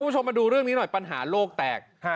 คุณผู้ชมมาดูเรื่องนี้หน่อยปัญหาโลกแตก